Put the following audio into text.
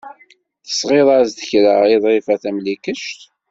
Tesɣiḍ-as-d kra i Ḍrifa Tamlikect.